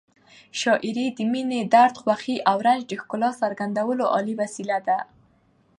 شاعري د مینې، درد، خوښۍ او رنج د ښکلا څرګندولو عالي وسیله ده.